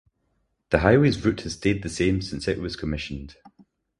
The highway's route has stayed the same since it was commissioned.